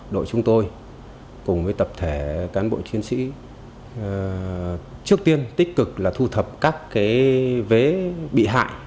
đội chúng tôi cùng với tập thể cán bộ chiến sĩ trước tiên tích cực là thu thập các vế bị hại